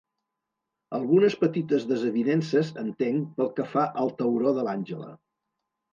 Algunes petites desavinences, entenc, pel que fa al tauró de l'Angela.